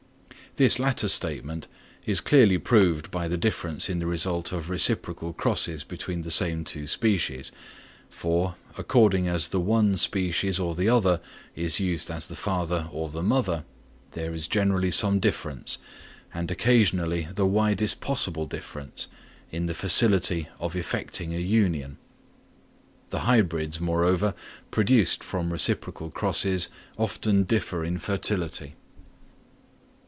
This latter statement is clearly proved by the difference in the result of reciprocal crosses between the same two species, for, according as the one species or the other is used as the father or the mother, there is generally some difference, and occasionally the widest possible difference, in the facility of effecting an union. The hybrids, moreover, produced from reciprocal crosses often differ in fertility.